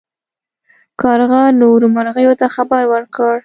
کارغه نورو مرغیو ته خبر ورکړ.